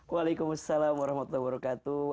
waalaikumsalam warahmatullahi wabarakatuh